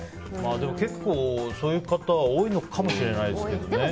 結構、そういう方は多いのかもしれないですけどね。